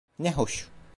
Ne hoş.